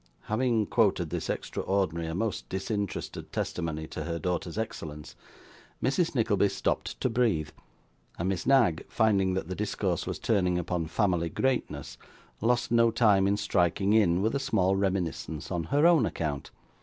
Having quoted this extraordinary and most disinterested testimony to her daughter's excellence, Mrs. Nickleby stopped to breathe; and Miss Knag, finding that the discourse was turning upon family greatness, lost no time in striking in, with a small reminiscence on her own account.